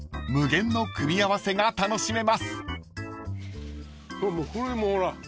［無限の組み合わせが楽しめます］